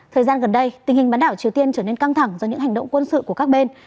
thời gian gần đây tình hình bán đảo triều tiên trở nên căng thẳng do những hành động quân sự của các bên